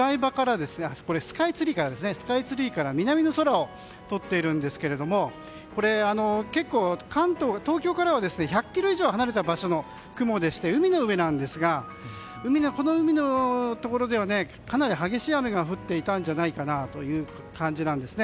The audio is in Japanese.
今日、スカイツリーから南の空を撮っているんですが結構、東京からは１００ｋｍ以上離れた場所の雲でして海の上なんですがこの海のところではかなり激しい雨が降っていたんじゃないかなという感じです。